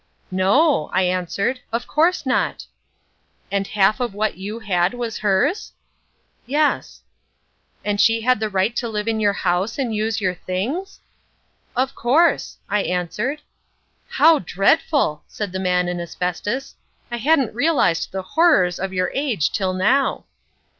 "No," I answered, "of course not." "And half of what you had was hers?" "Yes." "And she had the right to live in your house and use your things?" "Of course," I answered. "How dreadful!" said the Man in Asbestos. "I hadn't realised the horrors of your age till now."